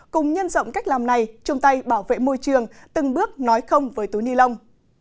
cùng nhân rộng cách làm này chung tay bảo vệ môi trường từng bước nói không với túi ni lông